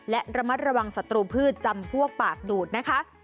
และระมัดระวังศัตรูพืชจำพวกปากดูดนะคะ